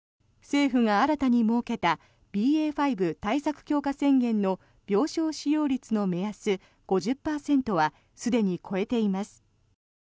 政府が新たに設けたＢＡ．５対策強化宣言の病床使用率の目安、５０％はすでに超えています。